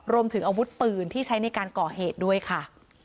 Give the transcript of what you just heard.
รวมถึงอาวุธปืนที่ใช้ในการก่อเหตุด้วยค่ะ